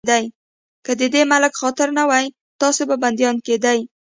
که د دې ملک خاطر نه وای، تاسې به بنديان کېدئ.